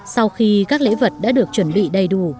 sau khi các lễ vật đã được chuẩn bị đầy đủ